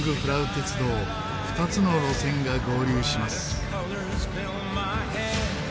鉄道２つの路線が合流します。